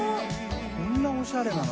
こんなおしゃれな。